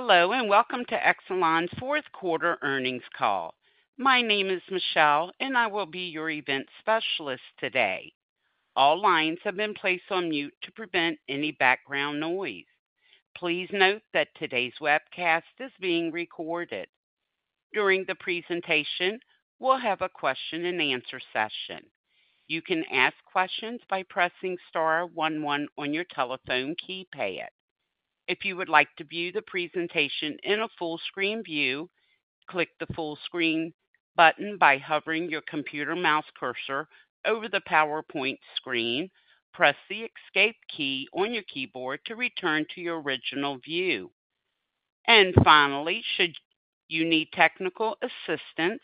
Hello and welcome to Exelon's Fourth Quarter Earnings Call. My name is Michelle, and I will be your event specialist today. All lines have been placed on mute to prevent any background noise. Please note that today's webcast is being recorded. During the presentation, we'll have a question-and-answer session. You can ask questions by pressing star one one on your telephone keypad. If you would like to view the presentation in a full-screen view, click the full-screen button by hovering your computer mouse cursor over the PowerPoint screen. Press the Escape key on your keyboard to return to your original view. And finally, should you need technical assistance,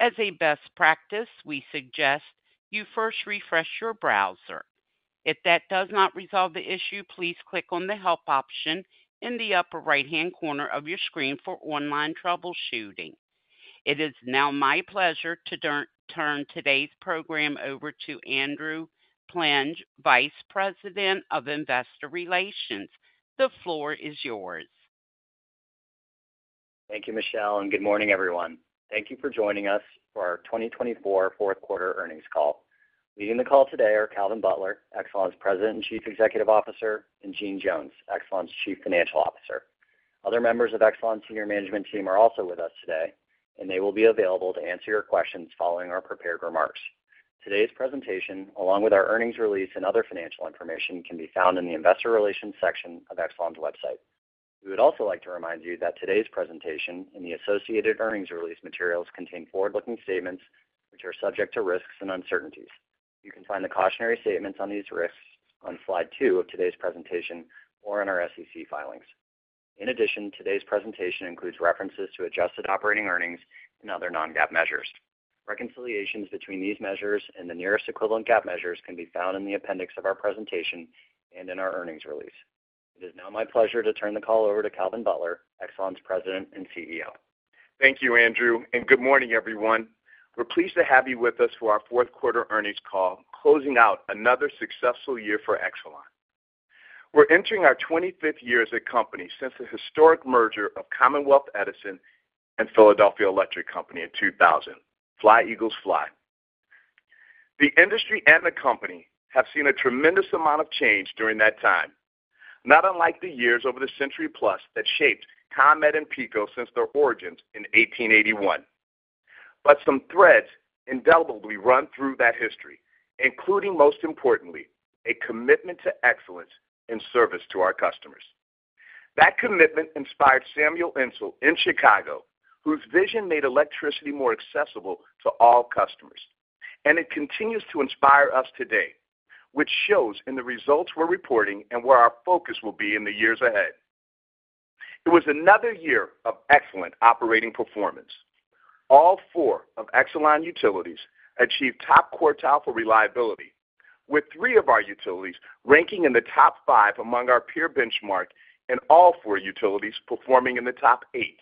as a best practice, we suggest you first refresh your browser. If that does not resolve the issue, please click on the Help option in the upper right-hand corner of your screen for online troubleshooting. It is now my pleasure to turn today's program over to Andrew Plenge, Vice President of Investor Relations. The floor is yours. Thank you, Michelle, and good morning, everyone. Thank you for joining us for our 2024 Fourth Quarter Earnings Call. Leading the call today are Calvin Butler, Exelon's President and Chief Executive Officer, and Jeanne Jones, Exelon's Chief Financial Officer. Other members of Exelon's Senior Management Team are also with us today, and they will be available to answer your questions following our prepared remarks. Today's presentation, along with our earnings release and other financial information, can be found in the Investor Relations section of Exelon's website. We would also like to remind you that today's presentation and the associated earnings release materials contain forward-looking statements which are subject to risks and uncertainties. You can find the cautionary statements on these risks on slide two of today's presentation or in our SEC filings. In addition, today's presentation includes references to adjusted operating earnings and other non-GAAP measures. Reconciliations between these measures and the nearest equivalent GAAP measures can be found in the appendix of our presentation and in our earnings release. It is now my pleasure to turn the call over to Calvin Butler, Exelon's President and CEO. Thank you, Andrew, and good morning, everyone. We're pleased to have you with us for our Fourth Quarter Earnings Call, closing out another successful year for Exelon. We're entering our 25th year as a company since the historic merger of Commonwealth Edison and Philadelphia Electric Company in 2000. Fly Eagles Fly. The industry and the company have seen a tremendous amount of change during that time, not unlike the years over the century plus that shaped ComEd and PECO since their origins in 1881. But some threads indelibly run through that history, including, most importantly, a commitment to excellence in service to our customers. That commitment inspired Samuel Insull in Chicago, whose vision made electricity more accessible to all customers, and it continues to inspire us today, which shows in the results we're reporting and where our focus will be in the years ahead. It was another year of excellent operating performance. All four of Exelon Utilities achieved top quartile for reliability, with three of our utilities ranking in the top five among our peer benchmark and all four utilities performing in the top eight.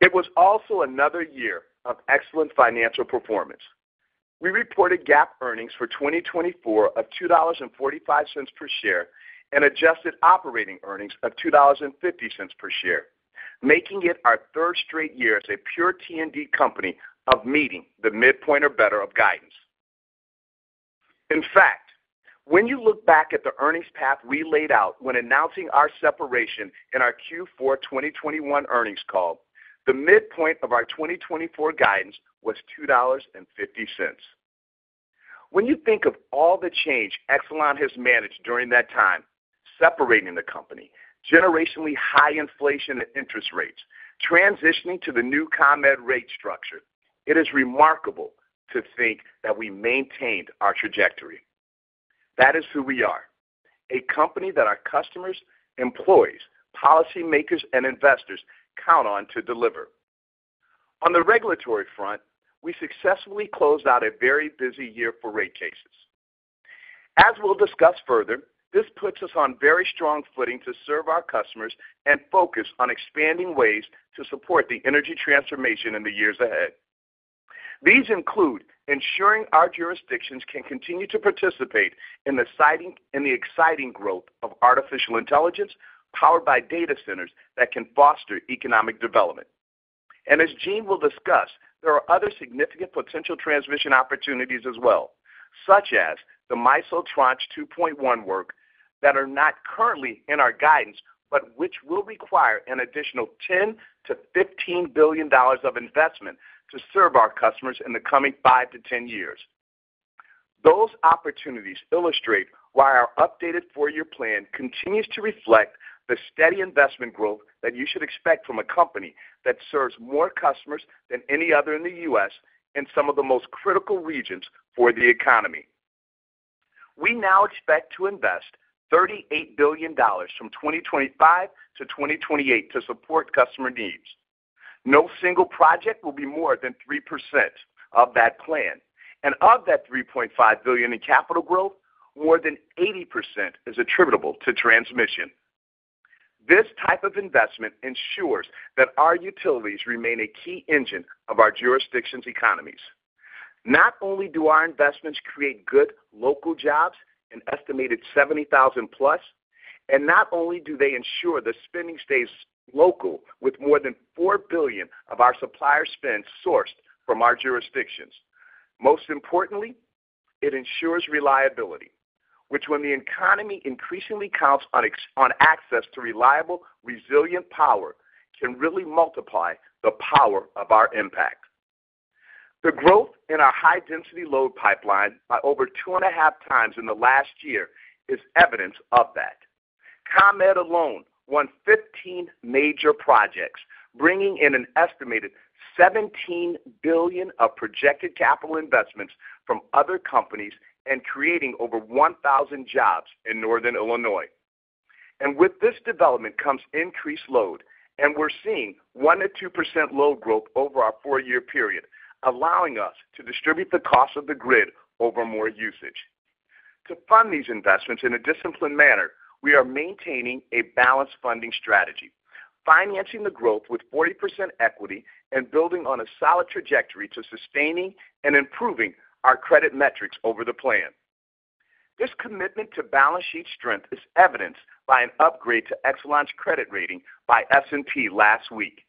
It was also another year of excellent financial performance. We reported GAAP earnings for 2024 of $2.45 per share and adjusted operating earnings of $2.50 per share, making it our third straight year as a pure T&D company of meeting the midpoint or better of guidance. In fact, when you look back at the earnings path we laid out when announcing our separation in our Q4 2021 earnings call, the midpoint of our 2024 guidance was $2.50. When you think of all the change Exelon has managed during that time, separating the company, generationally high inflation and interest rates, transitioning to the new ComEd rate structure, it is remarkable to think that we maintained our trajectory. That is who we are, a company that our customers, employees, policymakers, and investors count on to deliver. On the regulatory front, we successfully closed out a very busy year for rate cases. As we'll discuss further, this puts us on very strong footing to serve our customers and focus on expanding ways to support the energy transformation in the years ahead. These include ensuring our jurisdictions can continue to participate in the exciting growth of artificial intelligence powered by data centers that can foster economic development. As Jeanne will discuss, there are other significant potential transmission opportunities as well, such as the MISO Tranche 2.1 work that are not currently in our guidance, but which will require an additional $10-$15 billion of investment to serve our customers in the coming 5-10 years. Those opportunities illustrate why our updated four-year plan continues to reflect the steady investment growth that you should expect from a company that serves more customers than any other in the U.S. in some of the most critical regions for the economy. We now expect to invest $38 billion from 2025-2028 to support customer needs. No single project will be more than 3% of that plan. And of that $3.5 billion in capital growth, more than 80% is attributable to transmission. This type of investment ensures that our utilities remain a key engine of our jurisdiction's economies. Not only do our investments create good local jobs in an estimated 70,000 plus, and not only do they ensure the spending stays local with more than $4 billion of our supplier spend sourced from our jurisdictions. Most importantly, it ensures reliability, which when the economy increasingly counts on access to reliable, resilient power can really multiply the power of our impact. The growth in our high-density load pipeline by over two and a half times in the last year is evidence of that. ComEd alone won 15 major projects, bringing in an estimated $17 billion of projected capital investments from other companies and creating over 1,000 jobs in Northern Illinois. And with this development comes increased load, and we're seeing 1%-2% load growth over our four-year period, allowing us to distribute the cost of the grid over more usage. To fund these investments in a disciplined manner, we are maintaining a balanced funding strategy, financing the growth with 40% equity and building on a solid trajectory to sustaining and improving our credit metrics over the plan. This commitment to balance sheet strength is evidenced by an upgrade to Exelon's credit rating by S&P last week.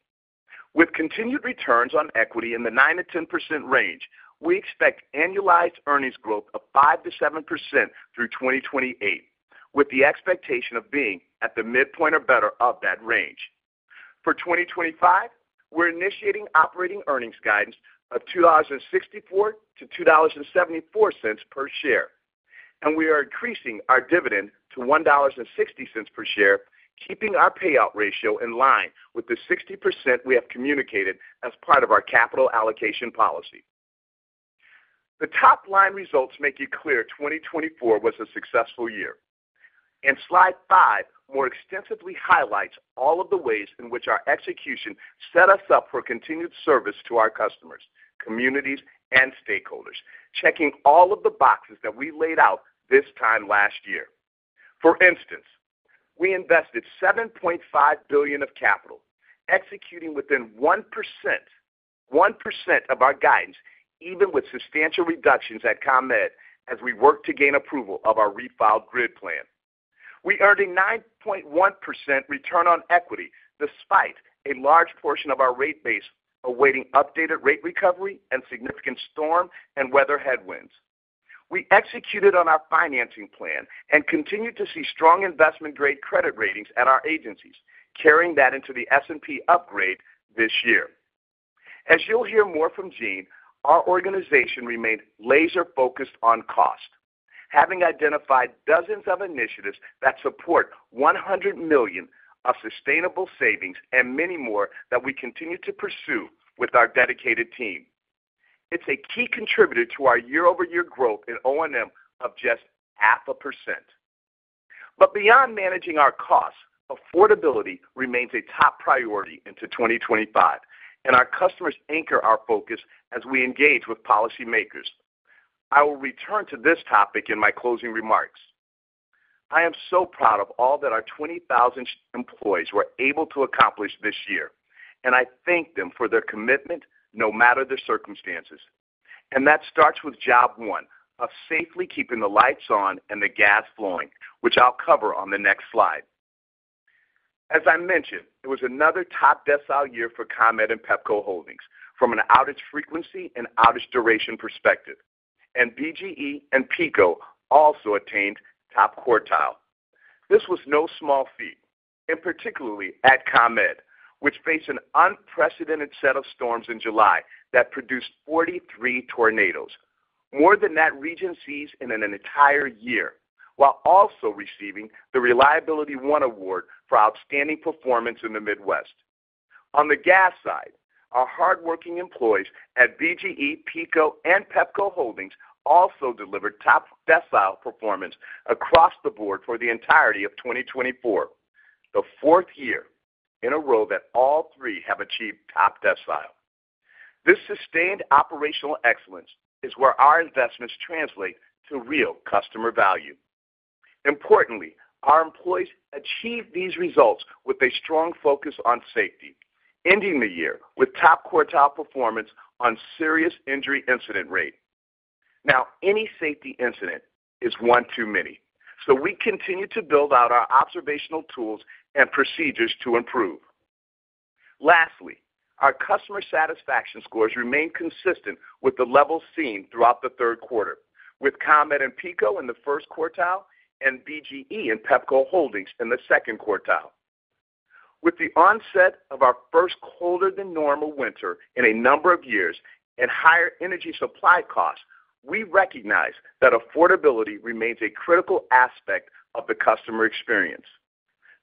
With continued returns on equity in the 9%-10% range, we expect annualized earnings growth of 5%-7% through 2028, with the expectation of being at the midpoint or better of that range. For 2025, we're initiating operating earnings guidance of $2.64-$2.74 per share, and we are increasing our dividend to $1.60 per share, keeping our payout ratio in line with the 60% we have communicated as part of our capital allocation policy. The top line results make it clear 2024 was a successful year. Slide five more extensively highlights all of the ways in which our execution set us up for continued service to our customers, communities, and stakeholders, checking all of the boxes that we laid out this time last year. For instance, we invested $7.5 billion of capital, executing within 1% of our guidance, even with substantial reductions at ComEd as we worked to gain approval of our refiled grid plan. We earned a 9.1% return on equity despite a large portion of our rate base awaiting updated rate recovery and significant storm and weather headwinds. We executed on our financing plan and continued to see strong investment-grade credit ratings at our agencies, carrying that into the S&P upgrade this year. As you'll hear more from Jeanne, our organization remained laser-focused on cost, having identified dozens of initiatives that support $100 million of sustainable savings and many more that we continue to pursue with our dedicated team. It's a key contributor to our year-over-year growth in O&M of just 0.5%. But beyond managing our costs, affordability remains a top priority into 2025, and our customers anchor our focus as we engage with policymakers. I will return to this topic in my closing remarks. I am so proud of all that our 20,000 employees were able to accomplish this year, and I thank them for their commitment no matter the circumstances. And that starts with job one of safely keeping the lights on and the gas flowing, which I'll cover on the next slide. As I mentioned, it was another top decile year for ComEd and Pepco Holdings from an outage frequency and outage duration perspective, and BGE and PECO also attained top quartile. This was no small feat, and particularly at ComEd, which faced an unprecedented set of storms in July that produced 43 tornadoes, more than that region sees in an entire year, while also receiving the ReliabilityOne Award for outstanding performance in the Midwest. On the gas side, our hardworking employees at BGE, PECO, and Pepco Holdings also delivered top decile performance across the board for the entirety of 2024, the fourth year in a row that all three have achieved top decile. This sustained operational excellence is where our investments translate to real customer value. Importantly, our employees achieved these results with a strong focus on safety, ending the year with top quartile performance on serious injury incident rate. Now, any safety incident is one too many, so we continue to build out our observational tools and procedures to improve. Lastly, our customer satisfaction scores remained consistent with the levels seen throughout the third quarter, with ComEd and PECO in the first quartile and BGE and Pepco Holdings in the second quartile. With the onset of our first colder-than-normal winter in a number of years and higher energy supply costs, we recognize that affordability remains a critical aspect of the customer experience.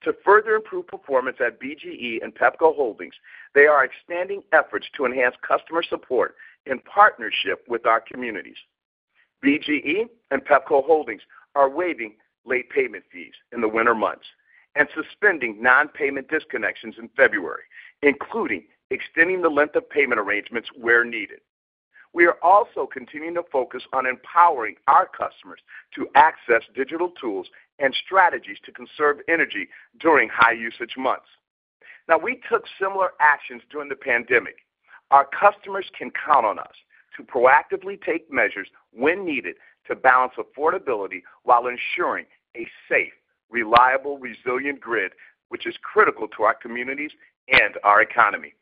To further improve performance at BGE and Pepco Holdings, they are expanding efforts to enhance customer support in partnership with our communities. BGE and Pepco Holdings are waiving late payment fees in the winter months and suspending non-payment disconnections in February, including extending the length of payment arrangements where needed. We are also continuing to focus on empowering our customers to access digital tools and strategies to conserve energy during high-usage months. Now, we took similar actions during the pandemic. Our customers can count on us to proactively take measures when needed to balance affordability while ensuring a safe, reliable, resilient grid, which is critical to our communities and our economy.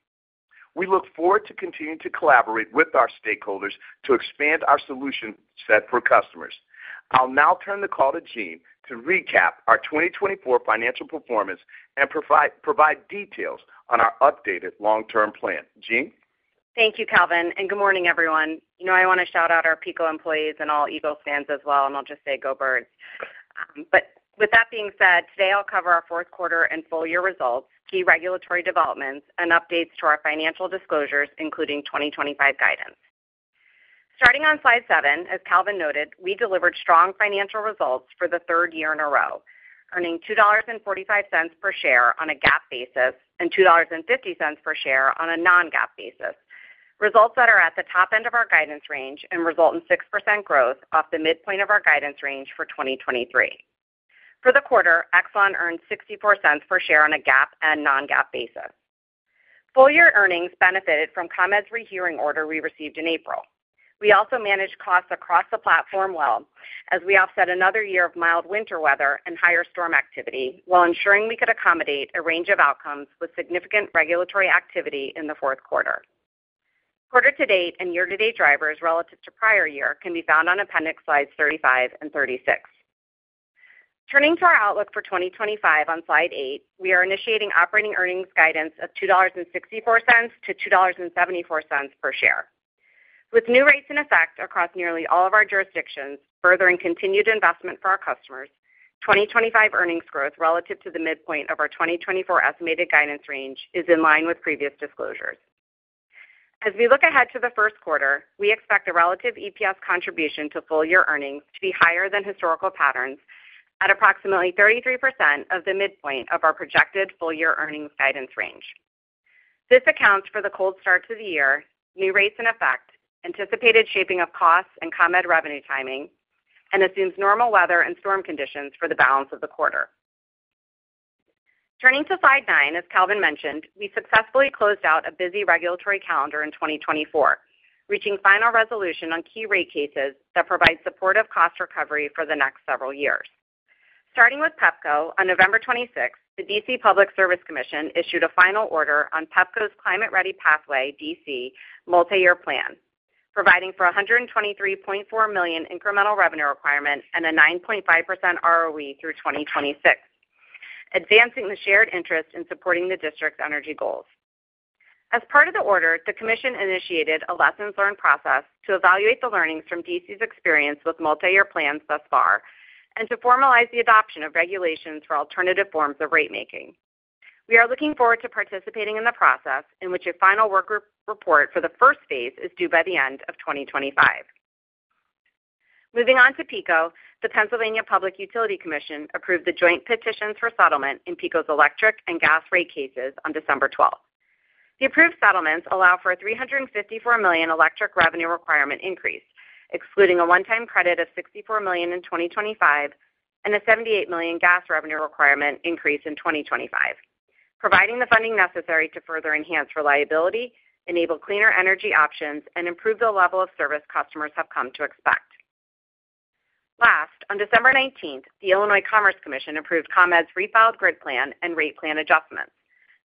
We look forward to continuing to collaborate with our stakeholders to expand our solution set for customers. I'll now turn the call to Jeanne to recap our 2024 financial performance and provide details on our updated long-term plan. Jeanne? Thank you, Calvin, and good morning, everyone. You know I want to shout out our Pepco employees and all Eagle fans as well, and I'll just say go birds. But with that being said, today I'll cover our fourth quarter and full year results, key regulatory developments, and updates to our financial disclosures, including 2025 guidance. Starting on slide seven, as Calvin noted, we delivered strong financial results for the third year in a row, earning $2.45 per share on a GAAP basis and $2.50 per share on a non-GAAP basis, results that are at the top end of our guidance range and result in 6% growth off the midpoint of our guidance range for 2023. For the quarter, Exelon earned $0.64 per share on a GAAP and non-GAAP basis. Full year earnings benefited from ComEd's rehearing order we received in April. We also managed costs across the platform well as we offset another year of mild winter weather and higher storm activity while ensuring we could accommodate a range of outcomes with significant regulatory activity in the fourth quarter. Quarter-to-date and year-to-date drivers relative to prior year can be found on appendix slides 35 and 36. Turning to our outlook for 2025 on slide eight, we are initiating operating earnings guidance of $2.64-$2.74 per share. With new rates in effect across nearly all of our jurisdictions, furthering continued investment for our customers, 2025 earnings growth relative to the midpoint of our 2024 estimated guidance range is in line with previous disclosures. As we look ahead to the first quarter, we expect a relative EPS contribution to full year earnings to be higher than historical patterns at approximately 33% of the midpoint of our projected full year earnings guidance range. This accounts for the cold start to the year, new rates in effect, anticipated shaping of costs and ComEd revenue timing, and assumes normal weather and storm conditions for the balance of the quarter. Turning to slide nine, as Calvin mentioned, we successfully closed out a busy regulatory calendar in 2024, reaching final resolution on key rate cases that provide supportive cost recovery for the next several years. Starting with Pepco, on November 26, the DC Public Service Commission issued a final order on Pepco's Climate Ready Pathway DC multi-year plan, providing for $123.4 million incremental revenue requirement and a 9.5% ROE through 2026, advancing the shared interest in supporting the district's energy goals. As part of the order, the commission initiated a lessons learned process to evaluate the learnings from DC's experience with multi-year plans thus far and to formalize the adoption of regulations for alternative forms of rate making. We are looking forward to participating in the process in which a final work group report for the first phase is due by the end of 2025. Moving on to PECO, the Pennsylvania Public Utility Commission approved the joint petitions for settlement in PECO's electric and gas rate cases on December 12. The approved settlements allow for a $354 million electric revenue requirement increase, excluding a one-time credit of $64 million in 2025 and a $78 million gas revenue requirement increase in 2025, providing the funding necessary to further enhance reliability, enable cleaner energy options, and improve the level of service customers have come to expect. Last, on December 19, the Illinois Commerce Commission approved ComEd's refiled grid plan and rate plan adjustments,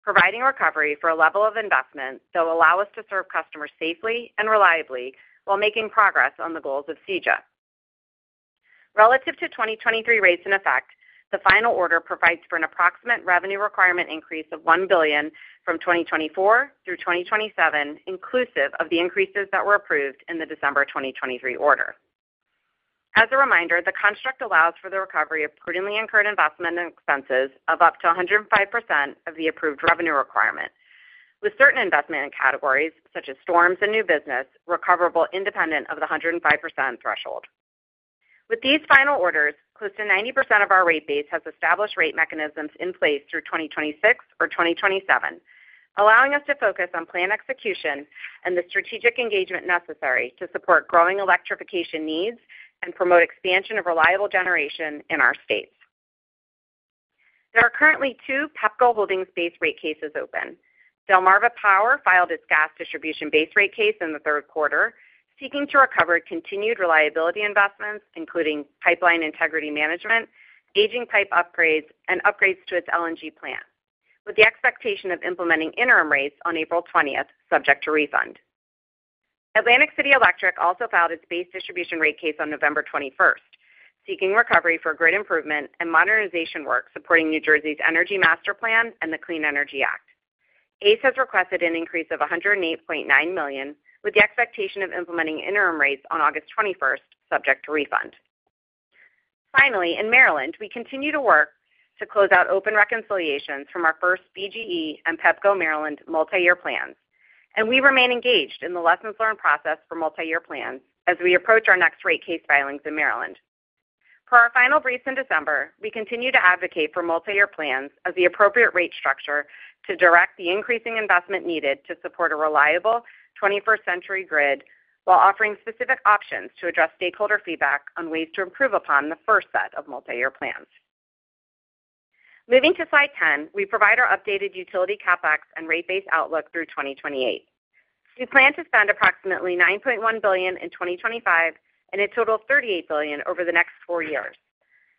providing recovery for a level of investment that will allow us to serve customers safely and reliably while making progress on the goals of CEJA. Relative to 2023 rates in effect, the final order provides for an approximate revenue requirement increase of $1 billion from 2024 through 2027, inclusive of the increases that were approved in the December 2023 order. As a reminder, the construct allows for the recovery of prudently incurred investment and expenses of up to 105% of the approved revenue requirement, with certain investment categories such as storms and new business recoverable independent of the 105% threshold. With these final orders, close to 90% of our rate base has established rate mechanisms in place through 2026 or 2027, allowing us to focus on plan execution and the strategic engagement necessary to support growing electrification needs and promote expansion of reliable generation in our states. There are currently two Pepco Holdings base rate cases open. Delmarva Power filed its gas distribution base rate case in the third quarter, seeking to recover continued reliability investments, including pipeline integrity management, aging pipe upgrades, and upgrades to its LNG plant, with the expectation of implementing interim rates on April 20, subject to refund. Atlantic City Electric also filed its base distribution rate case on November 21, seeking recovery for grid improvement and modernization work supporting New Jersey's Energy Master Plan and the Clean Energy Act. ACE has requested an increase of $108.9 million, with the expectation of implementing interim rates on August 21, subject to refund. Finally, in Maryland, we continue to work to close out open reconciliations from our first BGE and Pepco Maryland multi-year plans, and we remain engaged in the lessons learned process for multi-year plans as we approach our next rate case filings in Maryland. For our final briefs in December, we continue to advocate for multi-year plans as the appropriate rate structure to direct the increasing investment needed to support a reliable 21st-century grid while offering specific options to address stakeholder feedback on ways to improve upon the first set of multi-year plans. Moving to slide 10, we provide our updated utility CapEx and rate-based outlook through 2028. We plan to spend approximately $9.1 billion in 2025 and a total of $38 billion over the next four years,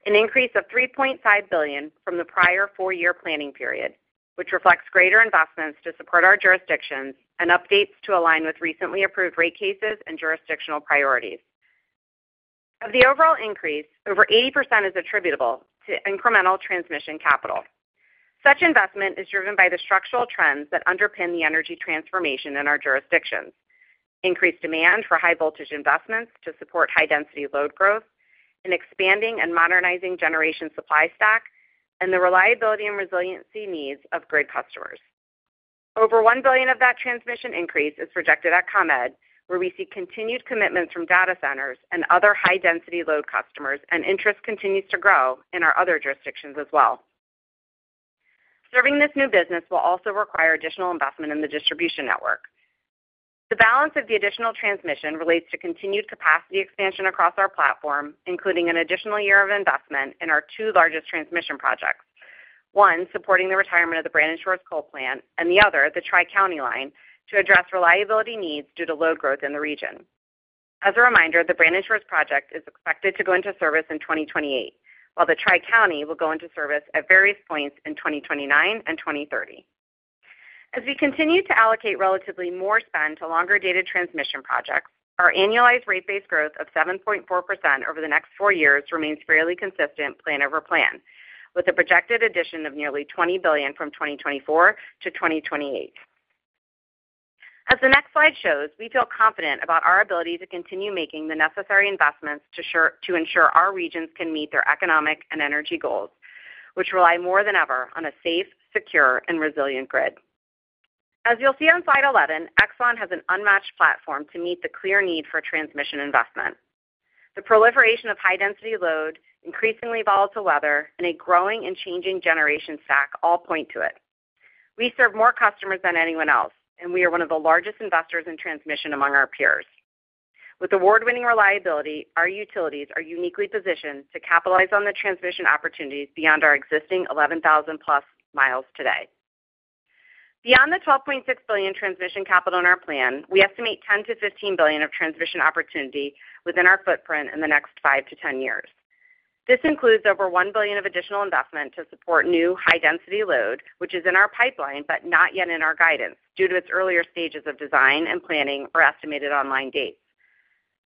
an increase of $3.5 billion from the prior four-year planning period, which reflects greater investments to support our jurisdictions and updates to align with recently approved rate cases and jurisdictional priorities. Of the overall increase, over 80% is attributable to incremental transmission capital. Such investment is driven by the structural trends that underpin the energy transformation in our jurisdictions, increased demand for high-voltage investments to support high-density load growth, and expanding and modernizing generation supply stack, and the reliability and resiliency needs of grid customers. Over $1 billion of that transmission increase is projected at ComEd, where we see continued commitments from data centers and other high-density load customers, and interest continues to grow in our other jurisdictions as well. Serving this new business will also require additional investment in the distribution network. The balance of the additional transmission relates to continued capacity expansion across our platform, including an additional year of investment in our two largest transmission projects, one supporting the retirement of the Brandon Shores coal plant and the other the Tri-County Line to address reliability needs due to load growth in the region. As a reminder, the Brandon Shores project is expected to go into service in 2028, while the Tri-County will go into service at various points in 2029 and 2030. As we continue to allocate relatively more spend to longer-dated transmission projects, our annualized rate-based growth of 7.4% over the next four years remains fairly consistent plan over plan, with a projected addition of nearly $20 billion from 2024 to 2028. As the next slide shows, we feel confident about our ability to continue making the necessary investments to ensure our regions can meet their economic and energy goals, which rely more than ever on a safe, secure, and resilient grid. As you'll see on slide 11, Exelon has an unmatched platform to meet the clear need for transmission investment. The proliferation of high-density load, increasingly volatile weather, and a growing and changing generation stack all point to it. We serve more customers than anyone else, and we are one of the largest investors in transmission among our peers. With award-winning reliability, our utilities are uniquely positioned to capitalize on the transmission opportunities beyond our existing 11,000+ miles today. Beyond the $12.6 billion transmission capital in our plan, we estimate $10-$15 billion of transmission opportunity within our footprint in the next 5-10 years. This includes over $1 billion of additional investment to support new high-density load, which is in our pipeline but not yet in our guidance due to its earlier stages of design and planning or estimated online dates.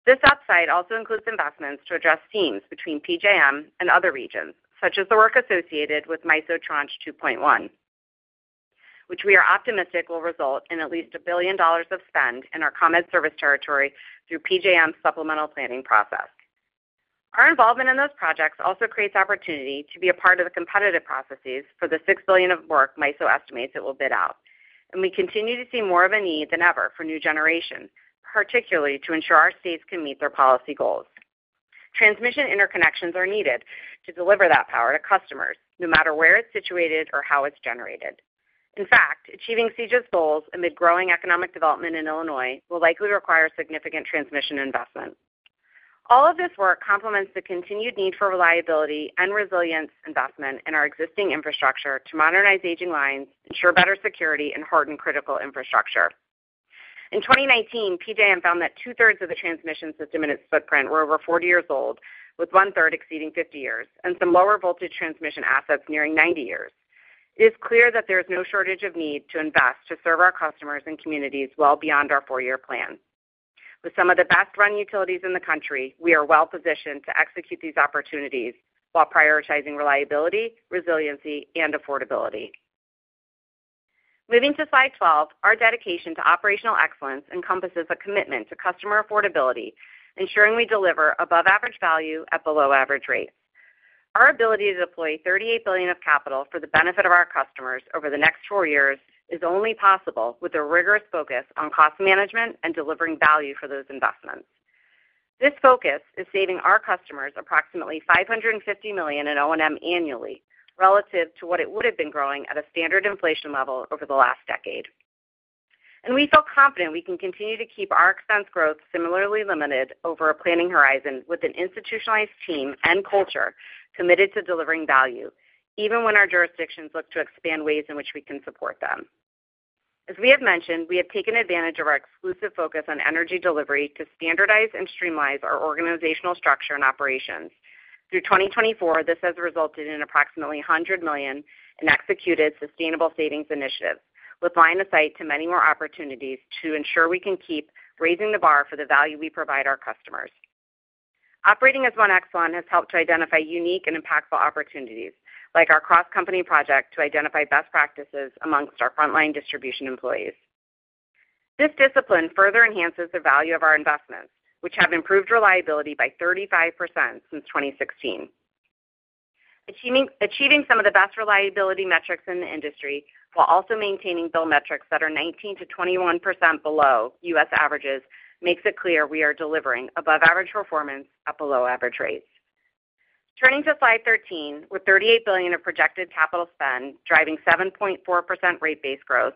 This upside also includes investments to address seams between PJM and other regions, such as the work associated with MISO Tranche 2.1, which we are optimistic will result in at least $1 billion of spend in our ComEd service territory through PJM's supplemental planning process. Our involvement in those projects also creates opportunity to be a part of the competitive processes for the $6 billion of work MISO estimates it will bid out, and we continue to see more of a need than ever for new generation, particularly to ensure our states can meet their policy goals. Transmission interconnections are needed to deliver that power to customers, no matter where it's situated or how it's generated. In fact, achieving CEJA's goals amid growing economic development in Illinois will likely require significant transmission investment. All of this work complements the continued need for reliability and resilience investment in our existing infrastructure to modernize aging lines, ensure better security, and harden critical infrastructure. In 2019, PJM found that two-thirds of the transmission system in its footprint were over 40 years old, with one-third exceeding 50 years, and some lower-voltage transmission assets nearing 90 years. It is clear that there is no shortage of need to invest to serve our customers and communities well beyond our four-year plan. With some of the best-run utilities in the country, we are well-positioned to execute these opportunities while prioritizing reliability, resiliency, and affordability. Moving to slide 12, our dedication to operational excellence encompasses a commitment to customer affordability, ensuring we deliver above-average value at below-average rates. Our ability to deploy $38 billion of capital for the benefit of our customers over the next four years is only possible with a rigorous focus on cost management and delivering value for those investments. This focus is saving our customers approximately $550 million in O&M annually relative to what it would have been growing at a standard inflation level over the last decade, and we feel confident we can continue to keep our expense growth similarly limited over a planning horizon with an institutionalized team and culture committed to delivering value, even when our jurisdictions look to expand ways in which we can support them. As we have mentioned, we have taken advantage of our exclusive focus on energy delivery to standardize and streamline our organizational structure and operations. Through 2024, this has resulted in approximately $100 million in executed sustainable savings initiatives, with line of sight to many more opportunities to ensure we can keep raising the bar for the value we provide our customers. Operating as one Exelon has helped to identify unique and impactful opportunities, like our cross-company project to identify best practices amongst our frontline distribution employees. This discipline further enhances the value of our investments, which have improved reliability by 35% since 2016. Achieving some of the best reliability metrics in the industry while also maintaining bill metrics that are 19%-21% below U.S. averages makes it clear we are delivering above-average performance at below-average rates. Turning to slide 13, with $38 billion of projected capital spend driving 7.4% rate-based growth,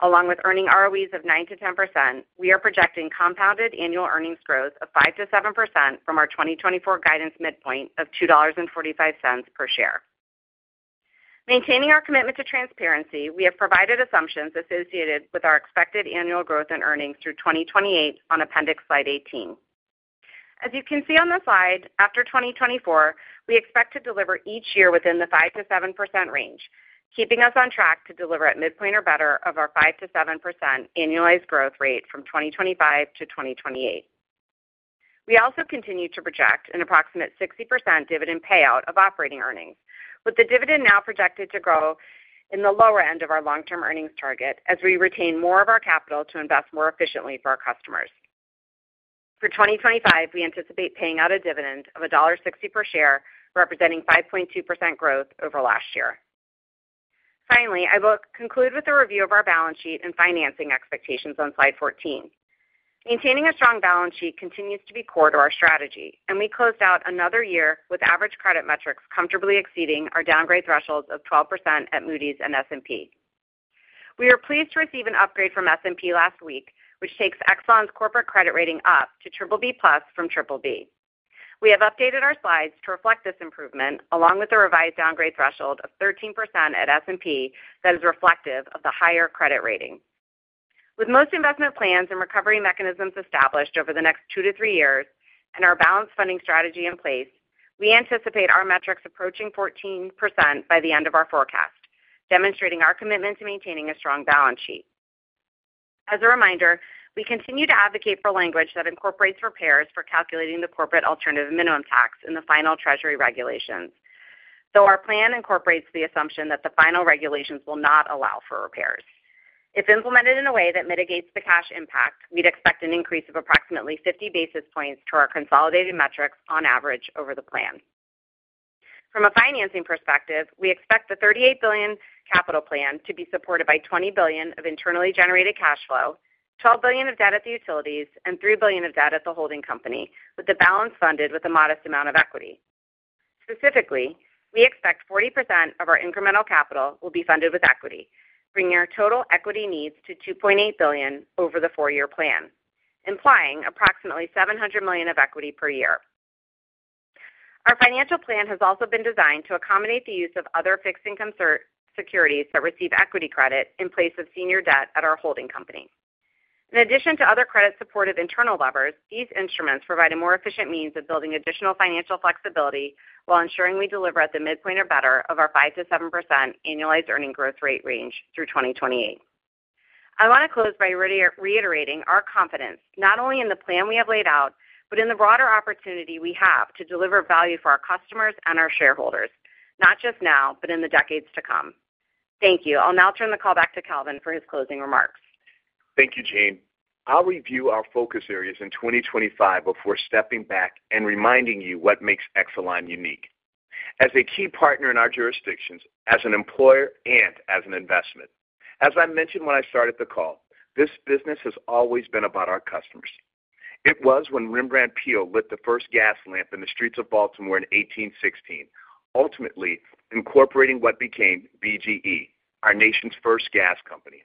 along with earning ROEs of 9%-10%, we are projecting compounded annual earnings growth of 5%-7% from our 2024 guidance midpoint of $2.45 per share. Maintaining our commitment to transparency, we have provided assumptions associated with our expected annual growth and earnings through 2028 on Appendix Slide 18. As you can see on the slide, after 2024, we expect to deliver each year within the 5%-7% range, keeping us on track to deliver at midpoint or better of our 5%-7% annualized growth rate from 2025 to 2028. We also continue to project an approximate 60% dividend payout of operating earnings, with the dividend now projected to grow in the lower end of our long-term earnings target as we retain more of our capital to invest more efficiently for our customers. For 2025, we anticipate paying out a dividend of $1.60 per share, representing 5.2% growth over last year. Finally, I will conclude with a review of our balance sheet and financing expectations on slide 14. Maintaining a strong balance sheet continues to be core to our strategy, and we closed out another year with average credit metrics comfortably exceeding our downgrade thresholds of 12% at Moody's and S&P. We are pleased to receive an upgrade from S&P last week, which takes Exelon's corporate credit rating up to BBB+ from BBB. We have updated our slides to reflect this improvement, along with the revised downgrade threshold of 13% at S&P that is reflective of the higher credit rating. With most investment plans and recovery mechanisms established over the next two to three years and our balanced funding strategy in place, we anticipate our metrics approaching 14% by the end of our forecast, demonstrating our commitment to maintaining a strong balance sheet. As a reminder, we continue to advocate for language that incorporates repairs for calculating the corporate alternative minimum tax in the final Treasury Regulations, though our plan incorporates the assumption that the final regulations will not allow for repairs. If implemented in a way that mitigates the cash impact, we'd expect an increase of approximately 50 basis points to our consolidated metrics on average over the plan. From a financing perspective, we expect the $38 billion capital plan to be supported by $20 billion of internally generated cash flow, $12 billion of debt at the utilities, and $3 billion of debt at the holding company, with the balance funded with a modest amount of equity. Specifically, we expect 40% of our incremental capital will be funded with equity, bringing our total equity needs to $2.8 billion over the four-year plan, implying approximately $700 million of equity per year. Our financial plan has also been designed to accommodate the use of other fixed income securities that receive equity credit in place of senior debt at our holding company. In addition to other credit-supportive internal levers, these instruments provide a more efficient means of building additional financial flexibility while ensuring we deliver at the midpoint or better of our 5%-7% annualized earnings growth rate range through 2028. I want to close by reiterating our confidence not only in the plan we have laid out, but in the broader opportunity we have to deliver value for our customers and our shareholders, not just now, but in the decades to come. Thank you. I'll now turn the call back to Calvin for his closing remarks. Thank you, Jeanne. I'll review our focus areas in 2025 before stepping back and reminding you what makes Exelon unique as a key partner in our jurisdictions, as an employer, and as an investment. As I mentioned when I started the call, this business has always been about our customers. It was when Rembrandt Peale lit the first gas lamp in the streets of Baltimore in 1816, ultimately incorporating what became BGE, our nation's first gas company.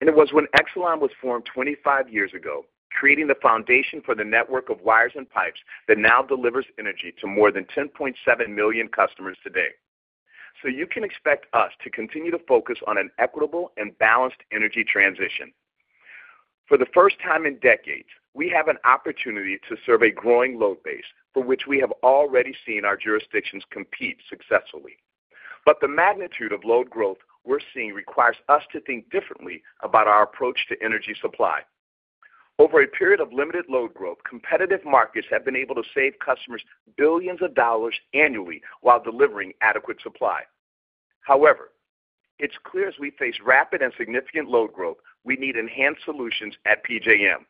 It was when Exelon was formed 25 years ago, creating the foundation for the network of wires and pipes that now delivers energy to more than 10.7 million customers today. You can expect us to continue to focus on an equitable and balanced energy transition. For the first time in decades, we have an opportunity to serve a growing load base for which we have already seen our jurisdictions compete successfully. The magnitude of load growth we're seeing requires us to think differently about our approach to energy supply. Over a period of limited load growth, competitive markets have been able to save customers billions of dollars annually while delivering adequate supply. However, it's clear as we face rapid and significant load growth, we need enhanced solutions at PJM,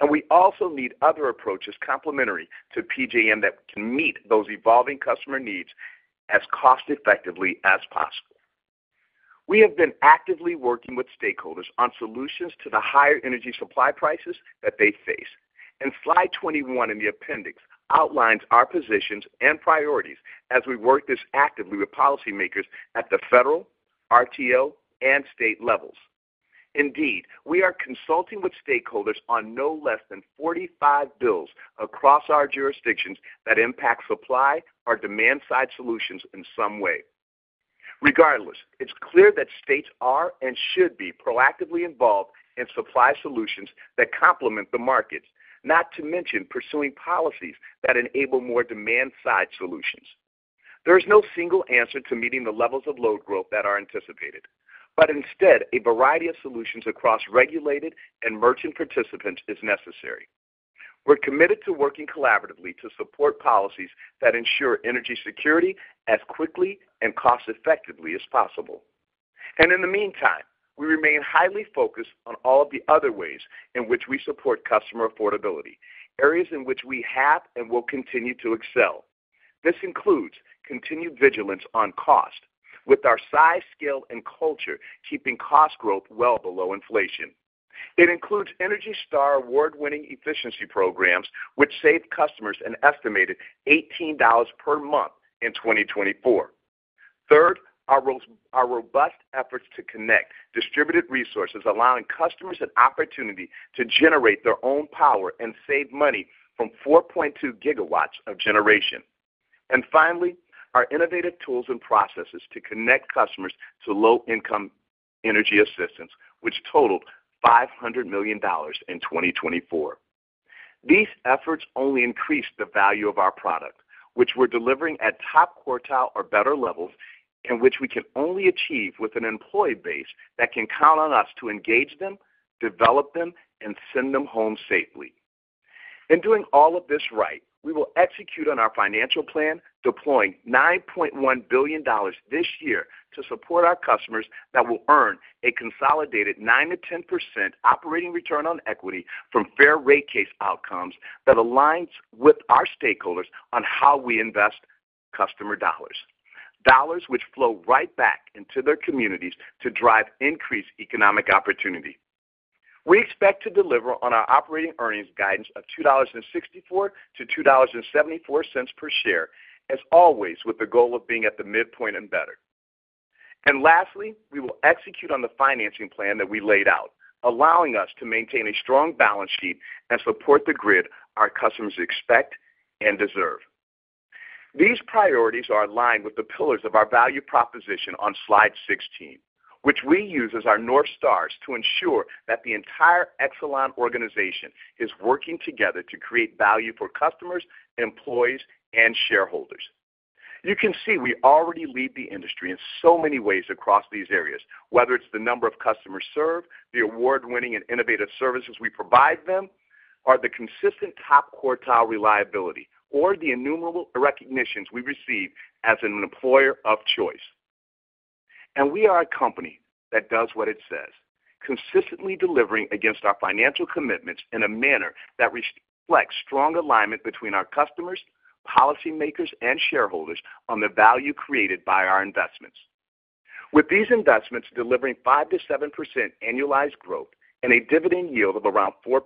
and we also need other approaches complementary to PJM that can meet those evolving customer needs as cost-effectively as possible. We have been actively working with stakeholders on solutions to the higher energy supply prices that they face, and slide 21 in the appendix outlines our positions and priorities as we work this actively with policymakers at the federal, RTO, and state levels. Indeed, we are consulting with stakeholders on no less than 45 bills across our jurisdictions that impact supply or demand-side solutions in some way. Regardless, it's clear that states are and should be proactively involved in supply solutions that complement the markets, not to mention pursuing policies that enable more demand-side solutions. There is no single answer to meeting the levels of load growth that are anticipated, but instead, a variety of solutions across regulated and merchant participants is necessary. We're committed to working collaboratively to support policies that ensure energy security as quickly and cost-effectively as possible. And in the meantime, we remain highly focused on all of the other ways in which we support customer affordability, areas in which we have and will continue to excel. This includes continued vigilance on cost, with our size, scale, and culture keeping cost growth well below inflation. It includes Energy Star award-winning efficiency programs, which saved customers an estimated $18 per month in 2024. Third, our robust efforts to connect distributed resources, allowing customers an opportunity to generate their own power and save money from 4.2 gigawatts of generation. And finally, our innovative tools and processes to connect customers to low-income energy assistance, which totaled $500 million in 2024. These efforts only increase the value of our product, which we're delivering at top quartile or better levels, and which we can only achieve with an employee base that can count on us to engage them, develop them, and send them home safely. In doing all of this right, we will execute on our financial plan, deploying $9.1 billion this year to support our customers that will earn a consolidated 9%-10% operating return on equity from fair rate case outcomes that aligns with our stakeholders on how we invest customer dollars, dollars which flow right back into their communities to drive increased economic opportunity. We expect to deliver on our operating earnings guidance of $2.64-$2.74 per share, as always, with the goal of being at the midpoint and better. And lastly, we will execute on the financing plan that we laid out, allowing us to maintain a strong balance sheet and support the grid our customers expect and deserve. These priorities are aligned with the pillars of our value proposition on slide 16, which we use as our North Stars to ensure that the entire Exelon organization is working together to create value for customers, employees, and shareholders. You can see we already lead the industry in so many ways across these areas, whether it's the number of customers served, the award-winning and innovative services we provide them, or the consistent top quartile reliability, or the innumerable recognitions we receive as an employer of choice. We are a company that does what it says, consistently delivering against our financial commitments in a manner that reflects strong alignment between our customers, policymakers, and shareholders on the value created by our investments. With these investments delivering 5%-7% annualized growth and a dividend yield of around 4%,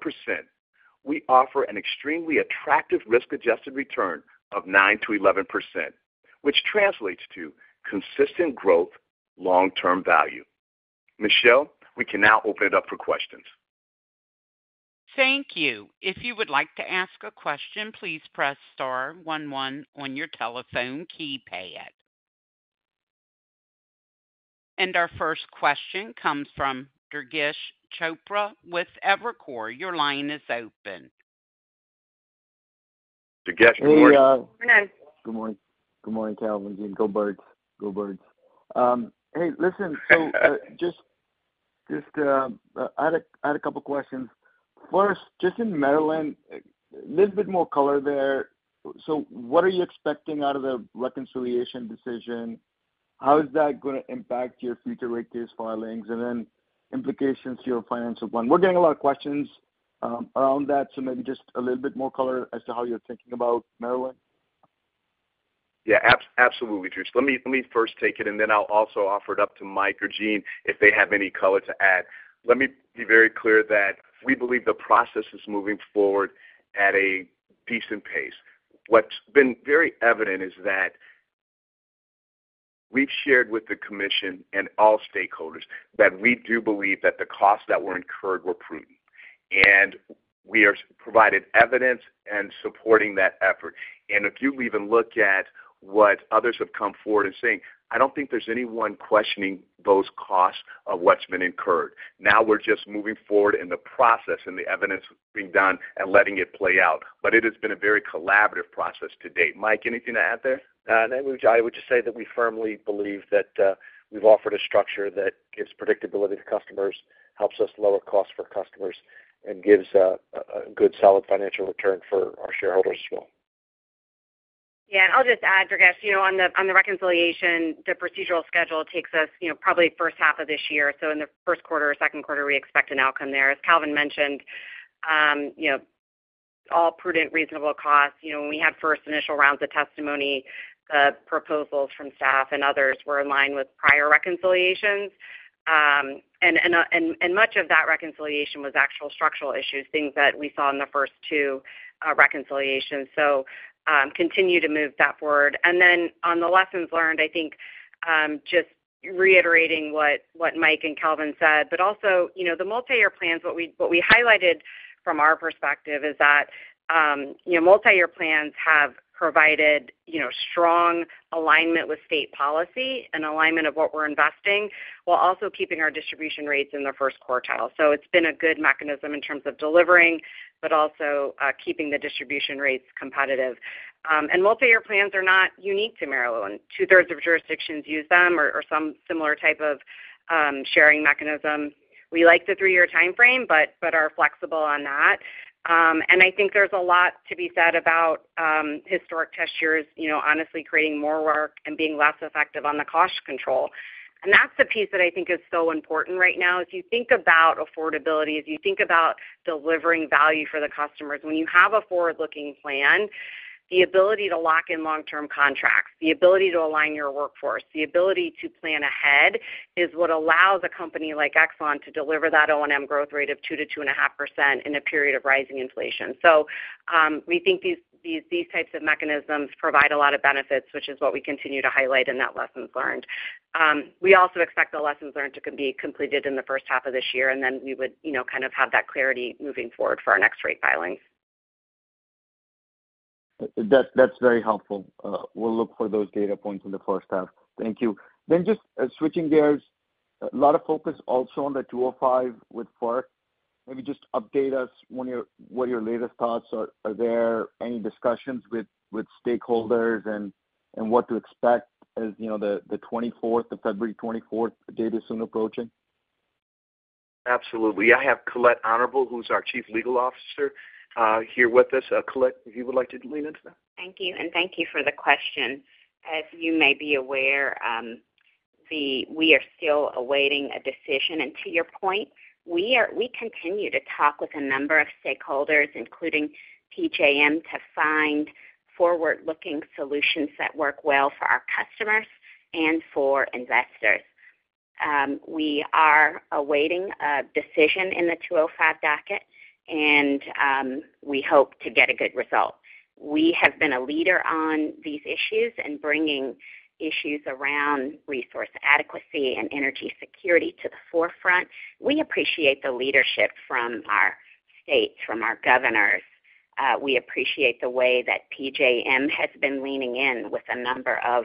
we offer an extremely attractive risk-adjusted return of 9%-11%, which translates to consistent growth, long-term value. Michelle, we can now open it up for questions. Thank you. If you would like to ask a question, please press star one one on your telephone keypad. Our first question comes from Durgesh Chopra with Evercore. Your line is open. Durgesh, good morning. Hey, Yes. Good morning. Good morning, Calvin. Jeanne, Go Birds. Hey, listen, so just I had a couple of questions. First, just in Maryland, a little bit more color there. What are you expecting out of the reconciliation decision? How is that going to impact your future rate case filings and then implications to your financial plan? We're getting a lot of questions around that, so maybe just a little bit more color as to how you're thinking about Maryland. Yeah, absolutely, Durgesh. Let me first take it, and then I'll also offer it up to Mike or Jeanne if they have any color to add. Let me be very clear that we believe the process is moving forward at a decent pace. What's been very evident is that we've shared with the commission and all stakeholders that we do believe that the costs that were incurred were prudent, and we have provided evidence and supporting that effort. And if you even look at what others have come forward and saying, I don't think there's anyone questioning those costs of what's been incurred. Now we're just moving forward in the process and the evidence being done and letting it play out, but it has been a very collaborative process to date. Mike, anything to add there? No, I would just say that we firmly believe that we've offered a structure that gives predictability to customers, helps us lower costs for customers, and gives a good solid financial return for our shareholders as well. Yeah, and I'll just add, Durgesh, on the reconciliation, the procedural schedule takes us probably first half of this year. So in the first quarter or second quarter, we expect an outcome there. As Calvin mentioned, all prudent, reasonable costs. When we had first initial rounds of testimony, the proposals from staff and others were in line with prior reconciliations, and much of that reconciliation was actual structural issues, things that we saw in the first two reconciliations. So continue to move that forward. And then on the lessons learned, I think just reiterating what Mike and Calvin said, but also the multi-year plans, what we highlighted from our perspective is that multi-year plans have provided strong alignment with state policy and alignment of what we're investing while also keeping our distribution rates in the first quartile. So it's been a good mechanism in terms of delivering, but also keeping the distribution rates competitive. And multi-year plans are not unique to Maryland. Two-thirds of jurisdictions use them or some similar type of sharing mechanism. We like the three-year time frame, but are flexible on that. I think there's a lot to be said about historic test years, honestly creating more work and being less effective on the cost control. That's the piece that I think is so important right now. If you think about affordability, if you think about delivering value for the customers, when you have a forward-looking plan, the ability to lock in long-term contracts, the ability to align your workforce, the ability to plan ahead is what allows a company like Exelon to deliver that O&M growth rate of 2%-2.5% in a period of rising inflation. We think these types of mechanisms provide a lot of benefits, which is what we continue to highlight in that lessons learned. We also expect the lessons learned to be completed in the first half of this year, and then we would kind of have that clarity moving forward for our next rate filings. That's very helpful. We'll look for those data points in the first half. Thank you. Then just switching gears, a lot of focus also on the 205 with FERC. Maybe just update us on what your latest thoughts are. Are there any discussions with stakeholders and what to expect as the 24th, February 24th, the date is soon approaching? Absolutely. I have Colette Honorable, who's our chief legal officer, here with us. Colette, if you would like to lean into that. Thank you. And thank you for the question. As you may be aware, we are still awaiting a decision. To your point, we continue to talk with a number of stakeholders, including PJM, to find forward-looking solutions that work well for our customers and for investors. We are awaiting a decision in the 205 docket, and we hope to get a good result. We have been a leader on these issues and bringing issues around resource adequacy and energy security to the forefront. We appreciate the leadership from our states, from our governors. We appreciate the way that PJM has been leaning in with a number of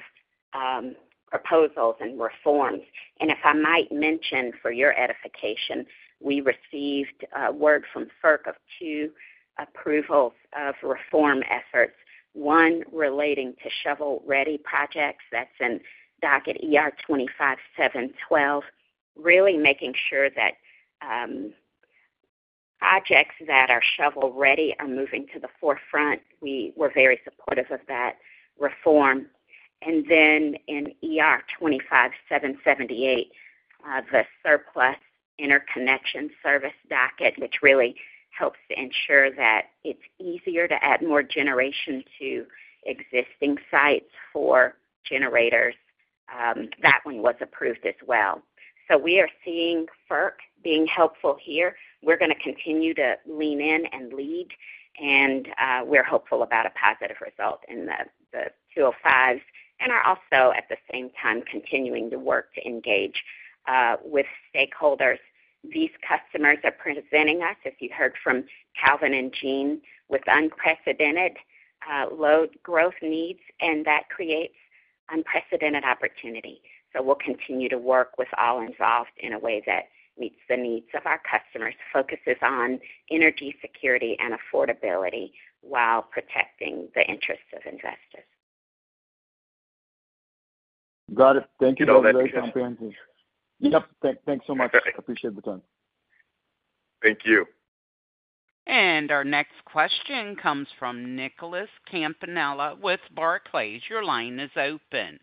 proposals and reforms. If I might mention for your edification, we received word from FERC of two approvals of reform efforts, one relating to shovel-ready projects. That's in Docket ER25-712, really making sure that projects that are shovel-ready are moving to the forefront. We were very supportive of that reform. And then in ER25-778, the surplus interconnection service docket, which really helps to ensure that it's easier to add more generation to existing sites for generators, that one was approved as well. So we are seeing FERC being helpful here. We're going to continue to lean in and lead, and we're hopeful about a positive result in the 205s and are also at the same time continuing to work to engage with stakeholders. These customers are presenting us, as you heard from Calvin and Jeanne, with unprecedented load growth needs, and that creates unprecedented opportunity. So we'll continue to work with all involved in a way that meets the needs of our customers, focuses on energy security and affordability while protecting the interests of investors. Got it. Thank you, Durgesh. Thank you. Yep. Thanks so much. I appreciate the time. Thank you. Our next question comes from Nicholas Campanella with Barclays. Your line is open.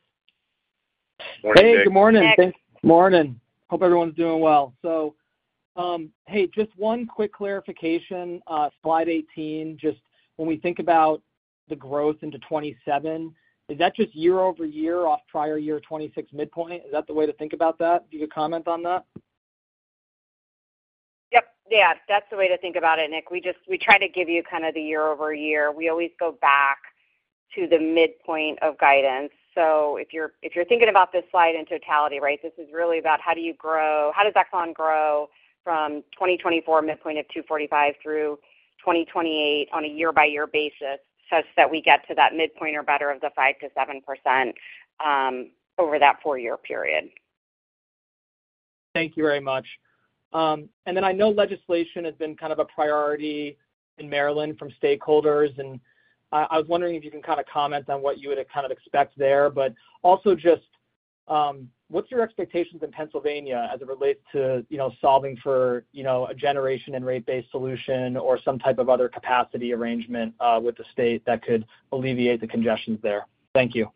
Morning. Hey, good morning. Thanks. Good morning. Hope everyone's doing well. So hey, just one quick clarification. Slide 18, just when we think about the growth into 2027, is that just year-over-year off prior year 2026 midpoint? Is that the way to think about that? Do you have a comment on that? Yep. Yeah. That's the way to think about it, Nick. We try to give you kind of the year-over-year. We always go back to the midpoint of guidance. So if you're thinking about this slide in totality, right, this is really about how do you grow, how does Exelon grow from 2024 midpoint of $2.45 through 2028 on a year-by-year basis such that we get to that midpoint or better of the 5%-7% over that four-year period. Thank you very much. And then I know legislation has been kind of a priority in Maryland from stakeholders, and I was wondering if you can kind of comment on what you would kind of expect there, but also just what's your expectations in Pennsylvania as it relates to solving for a generation and rate-based solution or some type of other capacity arrangement with the state that could alleviate the congestion there? Thank you.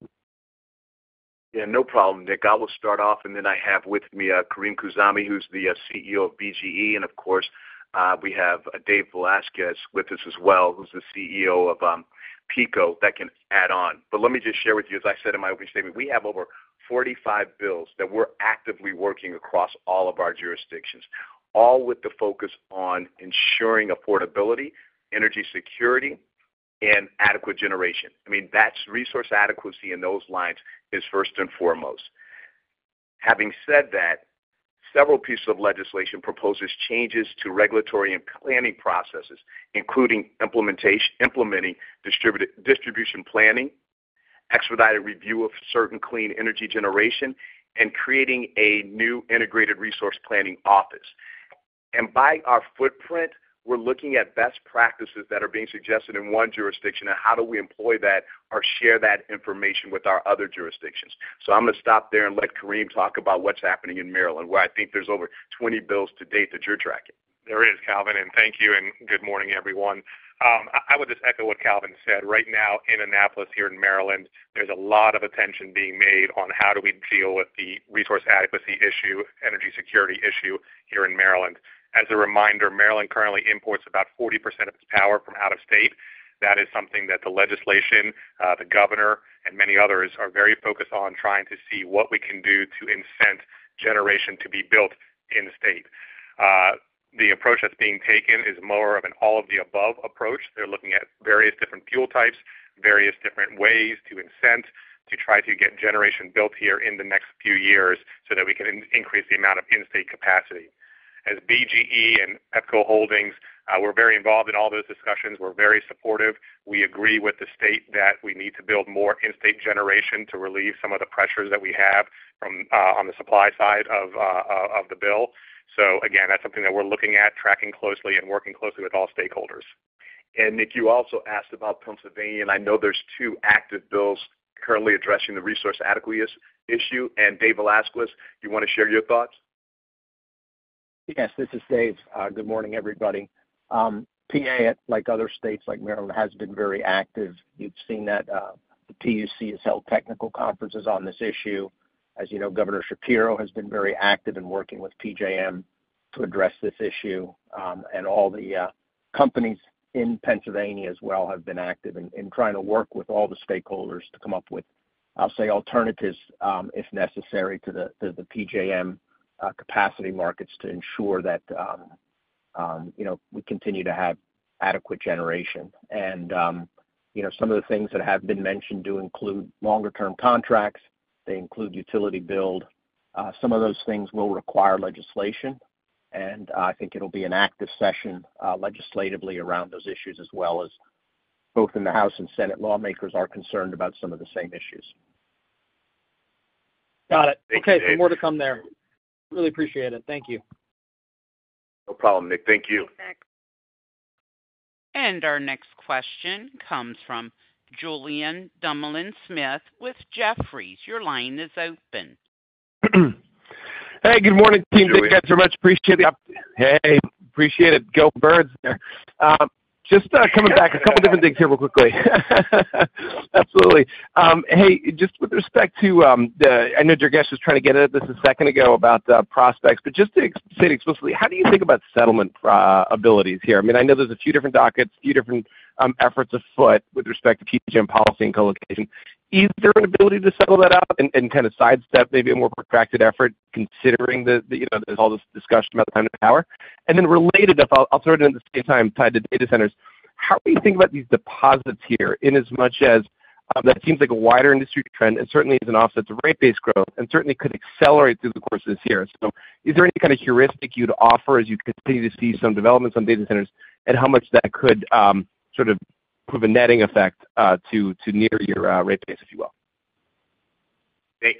Yeah, no problem, Nick. I will start off, and then I have with me Carim Khouzami, who's the CEO of BGE, and of course, we have Dave Velazquez with us as well, who's the CEO of Pepco that can add on. But let me just share with you, as I said in my opening statement, we have over 45 bills that we're actively working across all of our jurisdictions, all with the focus on ensuring affordability, energy security, and adequate generation. I mean, that's resource adequacy in those lines is first and foremost. Having said that, several pieces of legislation proposes changes to regulatory and planning processes, including implementing distribution planning, expedited review of certain clean energy generation, and creating a new integrated resource planning office. And by our footprint, we're looking at best practices that are being suggested in one jurisdiction, and how do we employ that or share that information with our other jurisdictions? So I'm going to stop there and let Carim talk about what's happening in Maryland, where I think there's over 20 bills to date that you're tracking. There is, Calvin, and thank you, and good morning, everyone. I would just echo what Calvin said. Right now in Annapolis here in Maryland, there's a lot of attention being made on how do we deal with the resource adequacy issue, energy security issue here in Maryland. As a reminder, Maryland currently imports about 40% of its power from out of state. That is something that the legislation, the governor, and many others are very focused on trying to see what we can do to incent generation to be built in the state. The approach that's being taken is more of an all-of-the-above approach. They're looking at various different fuel types, various different ways to incent, to try to get generation built here in the next few years so that we can increase the amount of in-state capacity. As BGE and Pepco Holdings, we're very involved in all those discussions. We're very supportive. We agree with the state that we need to build more in-state generation to relieve some of the pressures that we have on the supply side of the bill. So again, that's something that we're looking at, tracking closely and working closely with all stakeholders. And Nick, you also asked about Pennsylvania, and I know there's two active bills currently addressing the resource adequacy issue. And Dave Velazquez, you want to share your thoughts? Yes, this is Dave. Good morning, everybody. PA, like other states like Maryland, has been very active. You've seen that the PUC has held technical conferences on this issue. As you know, Governor Shapiro has been very active in working with PJM to address this issue, and all the companies in Pennsylvania as well have been active in trying to work with all the stakeholders to come up with, I'll say, alternatives if necessary to the PJM capacity markets to ensure that we continue to have adequate generation. And some of the things that have been mentioned do include longer-term contracts. They include utility build. Some of those things will require legislation, and I think it'll be an active session legislatively around those issues as well as both in the House and Senate. Lawmakers are concerned about some of the same issues. Got it. Okay So more to come there. Really appreciate it. Thank you. No problem, Nick. Thank you. And our next question comes from Julien Dumoulin-Smith with Jefferies. Your line is open. Hey, good morning, team. Thank you guys so much. Appreciate the opportunity. Hey, appreciate it. Go birds there. Just coming back, a couple of different things here real quickly. Absolutely. Hey, just with respect to the—I know Durgesh was trying to get at this a second ago about prospects, but just to say it explicitly, how do you think about settlement abilities here? I mean, I know there's a few different dockets, a few different efforts afoot with respect to PJM policy and co-location. Is there an ability to settle that out and kind of sidestep maybe a more protracted effort considering that there's all this discussion about the time to power? And then related, if I'll throw it in at the same time, tied to data centers, how do you think about these deposits here in as much as that seems like a wider industry trend and certainly is an offset to rate-based growth and certainly could accelerate through the course of this year? So is there any kind of heuristic you'd offer as you continue to see some developments on data centers and how much that could sort of prove a netting effect to near your rate base, if you will?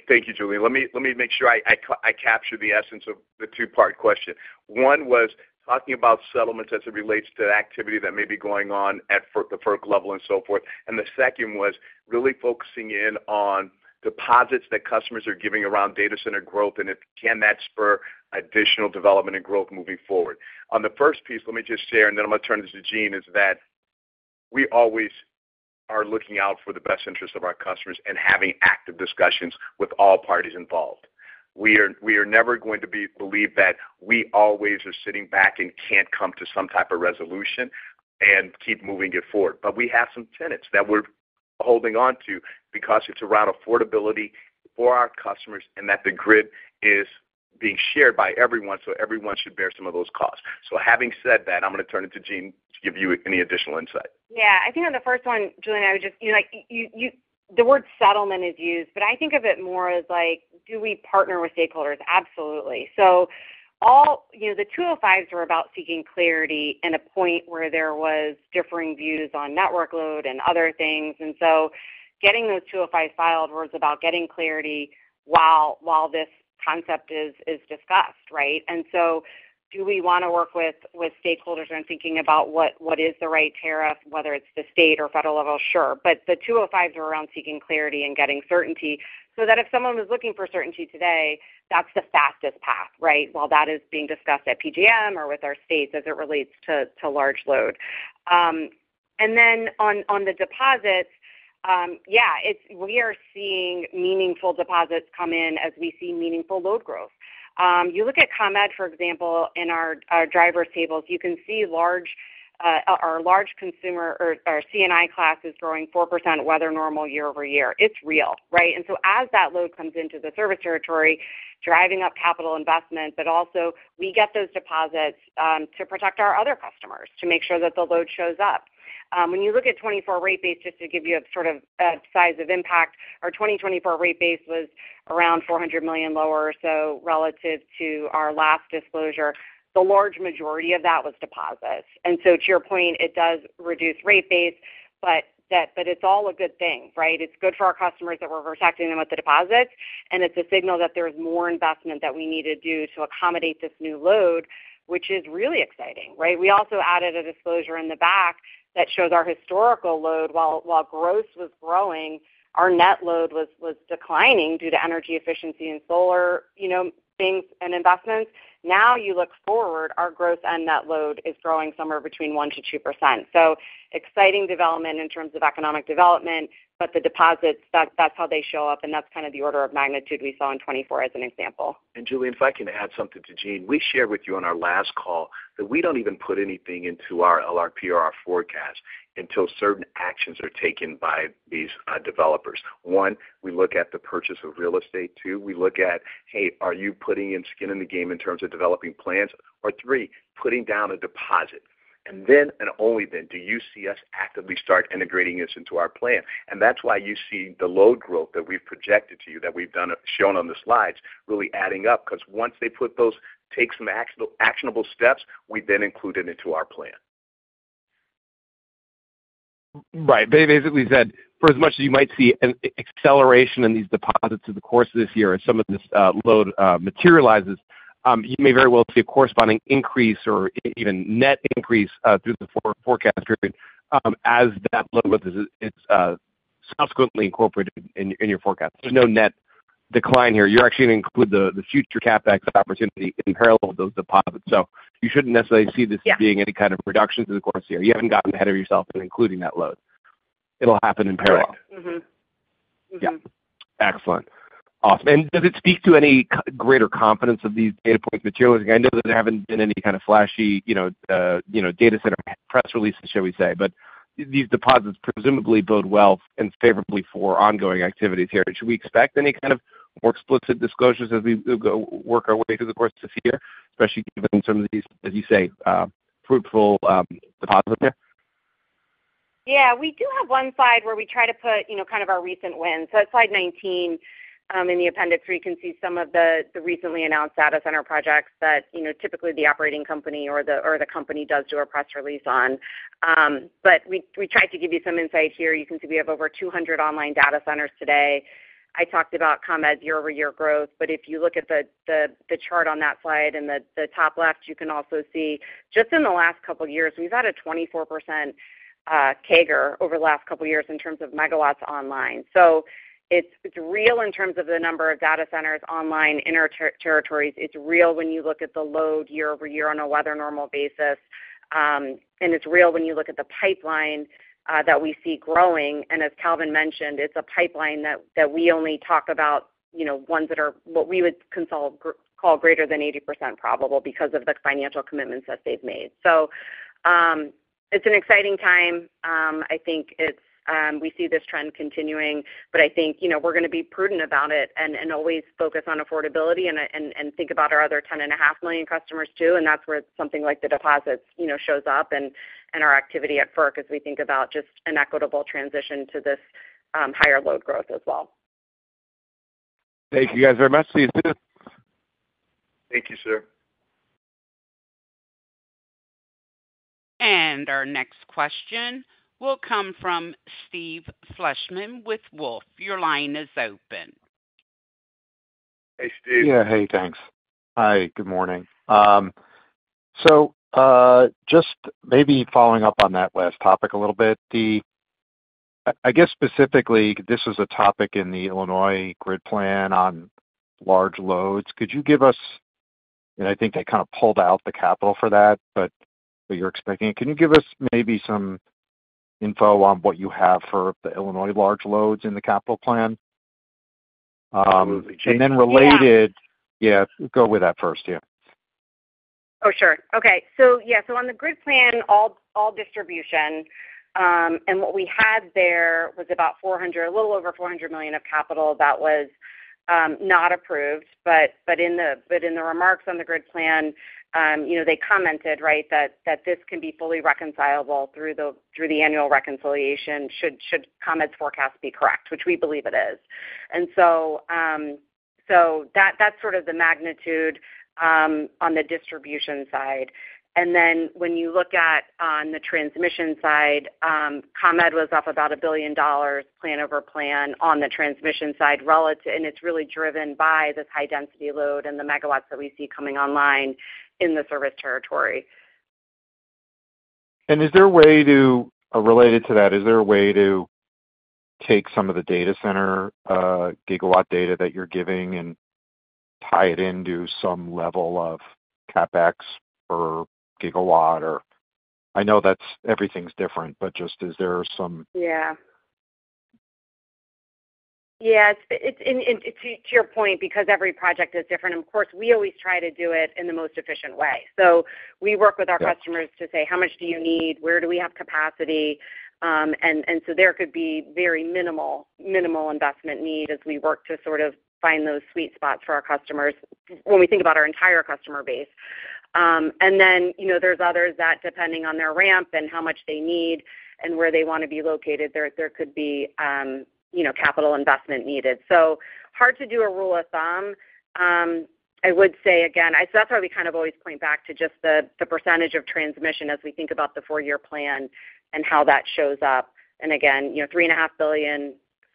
Thank you, Julien. Let me make sure I capture the essence of the two-part question. One was talking about settlements as it relates to activity that may be going on at the FERC level and so forth. And the second was really focusing in on deposits that customers are giving around data center growth, and can that spur additional development and growth moving forward? On the first piece, let me just share, and then I'm going to turn this to Jeanne, is that we always are looking out for the best interests of our customers and having active discussions with all parties involved. We are never going to believe that we always are sitting back and can't come to some type of resolution and keep moving it forward. But we have some tenets that we're holding on to because it's around affordability for our customers and that the grid is being shared by everyone, so everyone should bear some of those costs. So having said that, I'm going to turn it to Jeanne to give you any additional insight. Yeah. I think on the first one, Julien, I would just, the word settlement is used, but I think of it more as like, do we partner with stakeholders. Absolutely, so the 205s were about seeking clarity and a point where there were differing views on network load and other things, and so getting those 205s filed was about getting clarity while this concept is discussed, right, and so do we want to work with stakeholders when thinking about what is the right tariff, whether it's the state or federal level? Sure, but the 205s were around seeking clarity and getting certainty so that if someone was looking for certainty today, that's the fastest path, right, while that is being discussed at PJM or with our states as it relates to large load, and then on the deposits, yeah, we are seeing meaningful deposits come in as we see meaningful load growth. You look at ComEd, for example, in our driver's tables, you can see our large consumer or CNI class is growing 4%, weather normal year-over- year. It's real, right? And so as that load comes into the service territory, driving up capital investment, but also we get those deposits to protect our other customers to make sure that the load shows up. When you look at 2024 rate base, just to give you a sort of size of impact, our 2024 rate base was around $400 million lower or so relative to our last disclosure. The large majority of that was deposits. And so to your point, it does reduce rate base, but it's all a good thing, right? It's good for our customers that we're protecting them with the deposits, and it's a signal that there's more investment that we need to do to accommodate this new load, which is really exciting, right? We also added a disclosure in the back that shows our historical load while gross was growing, our net load was declining due to energy efficiency and solar things and investments. Now you look forward, our gross and net load is growing somewhere between 1%-2%. So exciting development in terms of economic development, but the deposits, that's how they show up, and that's kind of the order of magnitude we saw in 2024 as an example, and Julien, if I can add something to Jeanne, we shared with you on our last call that we don't even put anything into our LRP or our forecast until certain actions are taken by these developers. One, we look at the purchase of real estate. Two, we look at, hey, are you putting in skin in the game in terms of developing plans? Or three, putting down a deposit, and then and only then do you see us actively start integrating this into our plan, and that's why you see the load growth that we've projected to you that we've shown on the slides really adding up because once they take some actionable steps, we then include it into our plan. Right. Basically, as I said, for as much as you might see an acceleration in these deposits through the course of this year as some of this load materializes, you may very well see a corresponding increase or even net increase through the forecast period as that load growth is subsequently incorporated in your forecast. There's no net decline here. You're actually going to include the future CapEx opportunity in parallel with those deposits. So you shouldn't necessarily see this being any kind of reduction through the course of the year. You haven't gotten ahead of yourself in including that load. It'll happen in parallel. Excellent. Awesome. And does it speak to any greater confidence of these data points materializing? I know that there haven't been any kind of flashy data center press releases, shall we say, but these deposits presumably bode well and favorably for ongoing activities here. Should we expect any kind of more explicit disclosures as we work our way through the course of this year, especially given some of these, as you say, fruitful deposits here? Yeah. We do have one slide where we try to put kind of our recent wins. So, slide 19 in the appendix, you can see some of the recently announced data center projects that typically the operating company or the company does do a press release on. But we tried to give you some insight here. You can see we have over 200 online data centers today. I talked about ComEd's year-over-year growth, but if you look at the chart on that slide in the top left, you can also see just in the last couple of years, we've had a 24% CAGR over the last couple of years in terms of megawatts online. So it's real in terms of the number of data centers online in our territories. It's real when you look at the load year-over-year on a weather normal basis, and it's real when you look at the pipeline that we see growing. As Calvin mentioned, it's a pipeline that we only talk about ones that are what we would call greater than 80% probable because of the financial commitments that they've made. So it's an exciting time. I think we see this trend continuing, but I think we're going to be prudent about it and always focus on affordability and think about our other 10 and a half million customers too, and that's where something like the deposits shows up and our activity at FERC as we think about just an equitable transition to this higher load growth as well. Thank you guys very much. See you soon. Thank you, sir. And our next question will come from Steve Fleishman with Wolfe. Your line is open. Hey, Steve. Yeah. Hey, thanks. Hi. Good morning. So just maybe following up on that last topic a little bit, I guess specifically, this was a topic in the Illinois grid plan on large loads. Could you give us, and I think they kind of pulled out the capital for that, but you're expecting it, can you give us maybe some info on what you have for the Illinois large loads in the capital plan? Absolutely. Jeanne. And then related, yeah, go with that first, yeah. Oh, sure. Okay. So yeah, so on the grid plan, all distribution, and what we had there was about a little over 400 million of capital that was not approved. But in the remarks on the grid plan, they commented, right, that this can be fully reconcilable through the annual reconciliation should ComEd's forecast be correct, which we believe it is. And so that's sort of the magnitude on the distribution side. Then when you look at on the transmission side, ComEd was up about $1 billion plan over plan on the transmission side, and it's really driven by this high-density load and the megawatts that we see coming online in the service territory. And is there a way to—or related to that, is there a way to take some of the data center gigawatt data that you're giving and tie it into some level of CapEx per gigawatt? I know everything's different, but just is there some— yeah. Yeah. And to your point, because every project is different, of course, we always try to do it in the most efficient way. So we work with our customers to say, "How much do you need? “Where do we have capacity?” And so there could be very minimal investment need as we work to sort of find those sweet spots for our customers when we think about our entire customer base. And then there’s others that, depending on their ramp and how much they need and where they want to be located, there could be capital investment needed. So hard to do a rule of thumb. I would say, again, so that’s why we kind of always point back to just the percentage of transmission as we think about the four-year plan and how that shows up. And again, $3.5 billion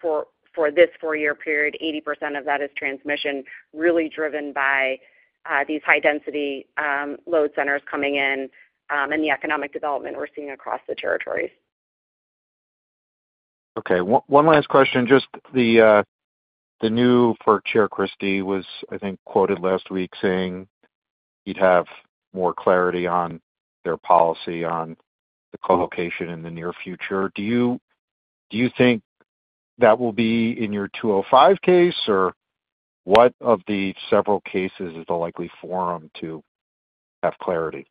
for this four-year period, 80% of that is transmission, really driven by these high-density load centers coming in and the economic development we’re seeing across the territories. Okay. One last question. Just the new FERC Chair, Christie, was, I think, quoted last week saying he'd have more clarity on their policy on the co-location in the near future. Do you think that will be in your 205 case, or what of the several cases is the likely forum to have clarity?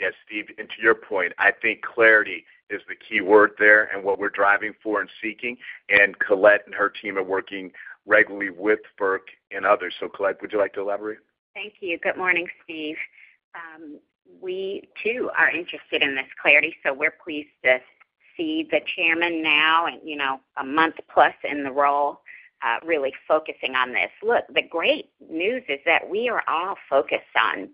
Yes, Steve. And to your point, I think clarity is the key word there and what we're driving for and seeking. And Colette and her team are working regularly with FERC and others. So Colette, would you like to elaborate? Thank you. Good morning, Steve. We, too, are interested in this clarity, so we're pleased to see the chairman now and a month plus in the role really focusing on this. Look, the great news is that we are all focused on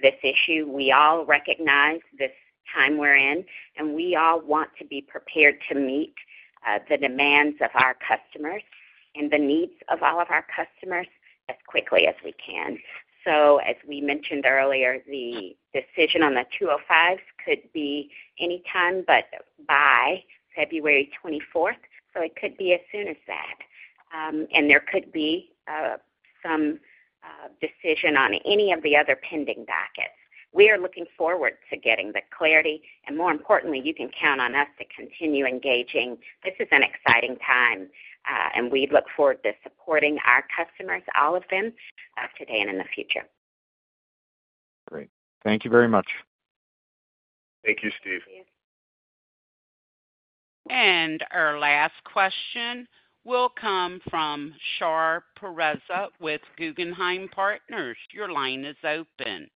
this issue. We all recognize this time we're in, and we all want to be prepared to meet the demands of our customers and the needs of all of our customers as quickly as we can. So as we mentioned earlier, the decision on the 205s could be anytime, but by February 24th, so it could be as soon as that. And there could be some decision on any of the other pending dockets. We are looking forward to getting the clarity, and more importantly, you can count on us to continue engaging. This is an exciting time, and we look forward to supporting our customers, all of them, today and in the future. Great. Thank you very much. Thank you, Steve. And our last question will come from Shar Pourreza with Guggenheim Partners. Your line is open.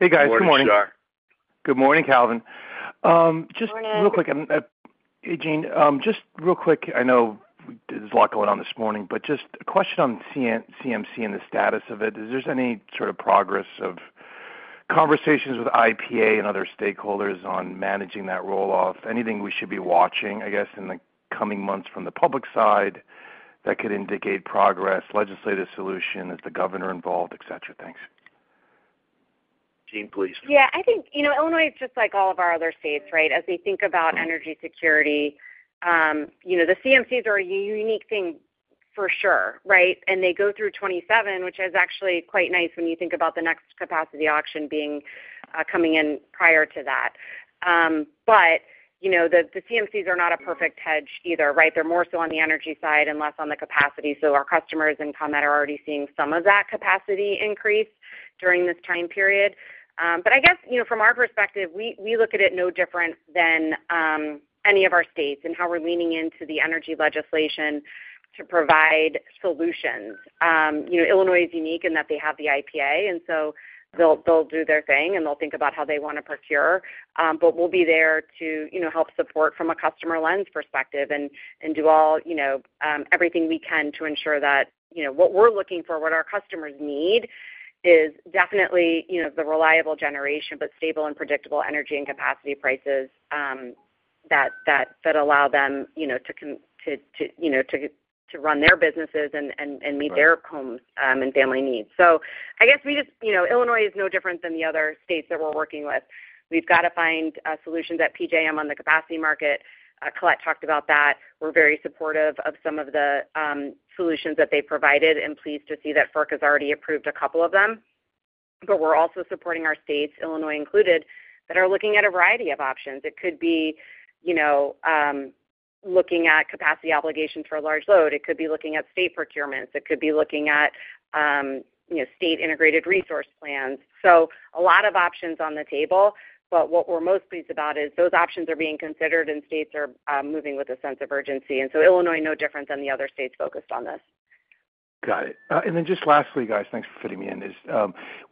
Hey, guys. Good morning. Good morning, Shar. Good morning, Calvin. Good morning. Just real quick, Jeanne, just real quick, I know there's a lot going on this morning, but just a question on CMC and the status of it. Is there any sort of progress of conversations with IPA and other stakeholders on managing that roll-off? Anything we should be watching, I guess, in the coming months from the public side that could indicate progress, legislative solution, is the governor involved, etc.? Thanks. Jeanne, please. Yeah. I think Illinois is just like all of our other states, right? As they think about energy security, the CMCs are a unique thing for sure, right? And they go through 2027, which is actually quite nice when you think about the next capacity auction coming in prior to that. But the CMCs are not a perfect hedge either, right? They're more so on the energy side and less on the capacity. So our customers and ComEd are already seeing some of that capacity increase during this time period. But I guess from our perspective, we look at it no different than any of our states in how we're leaning into the energy legislation to provide solutions. Illinois is unique in that they have the IPA, and so they'll do their thing, and they'll think about how they want to procure. But we'll be there to help support from a customer lens perspective and do everything we can to ensure that what we're looking for, what our customers need, is definitely the reliable generation, but stable and predictable energy and capacity prices that allow them to run their businesses and meet their homes and family needs. So I guess we just, Illinois is no different than the other states that we're working with. We've got to find solutions at PJM on the capacity market. Colette talked about that. We're very supportive of some of the solutions that they provided and pleased to see that FERC has already approved a couple of them. But we're also supporting our states, Illinois included, that are looking at a variety of options. It could be looking at capacity obligations for a large load. It could be looking at state procurements. It could be looking at state integrated resource plans. So a lot of options on the table, but what we're most pleased about is those options are being considered and states are moving with a sense of urgency. And so Illinois, no different than the other states focused on this. Got it. And then just lastly, guys, thanks for fitting me in.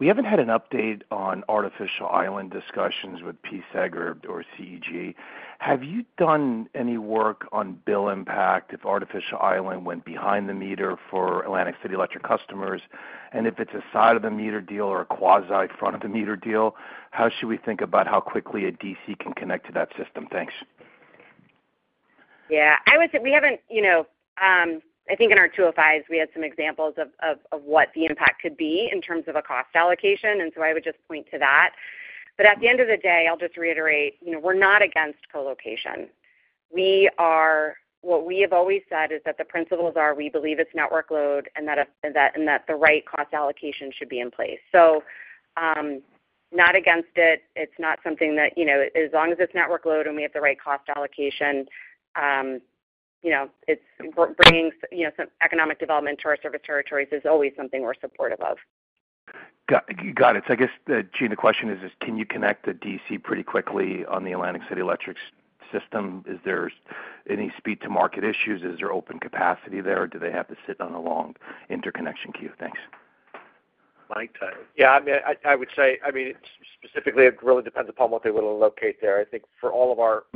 We haven't had an update on Artificial Island discussions with PSEG or CEG. Have you done any work on bill impact if Artificial Island went behind the meter for Atlantic City Electric customers? And if it's a side-of-the-meter deal or a quasi-front-of-the-meter deal, how should we think about how quickly a DC can connect to that system? Thanks. Yeah. We haven't, I think in our 205s, we had some examples of what the impact could be in terms of a cost allocation, and so I would just point to that. But at the end of the day, I'll just reiterate, we're not against co-location. What we have always said is that the principles are we believe it's network load and that the right cost allocation should be in place. So not against it. It's not something that, as long as it's network load and we have the right cost allocation, it's bringing some economic development to our service territories is always something we're supportive of. Got it. So I guess, Jeanne, the question is, can you connect the DC pretty quickly on the Atlantic City Electric system? Is there any speed-to-market issues? Is there open capacity there? Do they have to sit on a long interconnection queue? Thanks. My time. Yeah. I mean, I would say, I mean, specifically, it really depends upon what they will locate there. I think for all of our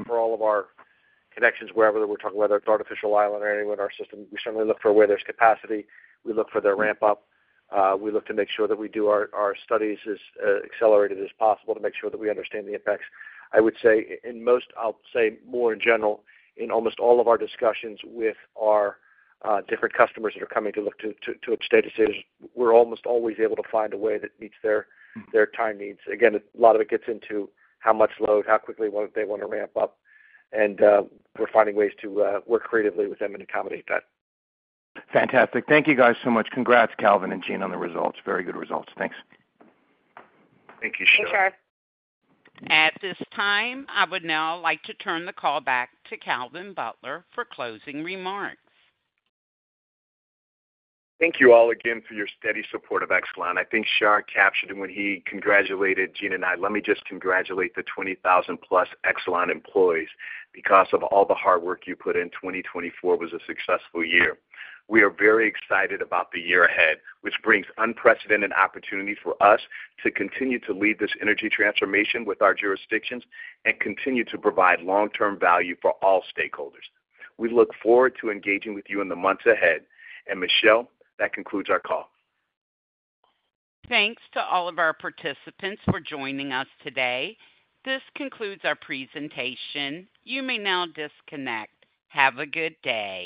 connections, wherever we're talking, whether it's Artificial Island or anyone in our system, we certainly look for where there's capacity. We look for their ramp-up. We look to make sure that we do our studies as accelerated as possible to make sure that we understand the impacts. I would say, in most, I'll say more in general, in almost all of our discussions with our different customers that are coming to look to locate in our estates, we're almost always able to find a way that meets their time needs. Again, a lot of it gets into how much load, how quickly they want to ramp up, and we're finding ways to work creatively with them and accommodate that. Fantastic. Thank you, guys, so much. Congrats, Calvin and Jeanne, on the results. Very good results. Thanks. Thank you, Shar. Thanks, Shar. At this time, I would now like to turn the call back to Calvin Butler for closing remarks. Thank you all again for your steady support of Exelon. I think Shar captured it when he congratulated Jeanne and I. Let me just congratulate the 20,000-plus Exelon employees because of all the hard work you put in. 2024 was a successful year. We are very excited about the year ahead, which brings unprecedented opportunity for us to continue to lead this energy transformation with our jurisdictions and continue to provide long-term value for all stakeholders. We look forward to engaging with you in the months ahead. And, Michelle, that concludes our call. Thanks to all of our participants for joining us today. This concludes our presentation. You may now disconnect. Have a good day.